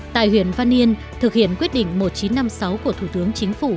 tại huyện văn yên thực hiện quyết định một nghìn chín trăm năm mươi sáu của thủ tướng chính phủ